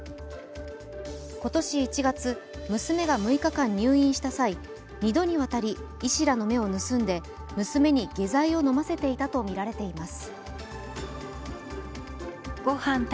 今年１月、娘が６日間、入院した際、２度にわたり医師らの目を盗んで娘に下剤を飲ませていたとみられています。